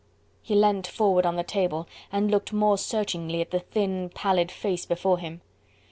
He leant forward on the table and looked more searchingly at the thin, pallid face before him.